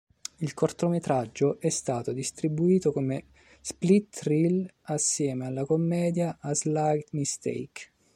Il cortometraggio è stato distribuito come split reel assieme alla commedia "A Slight Mistake".